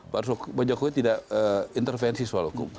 pak jokowi tidak intervensi soal hukum